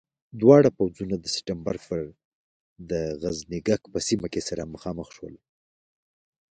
دواړه پوځونه د سپټمبر پر د غزنيګک په سیمه کې سره مخامخ شول.